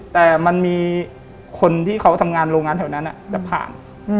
แต่มันมีคนที่เขาทำงานโรงงานแถวนั้นจะผ่าน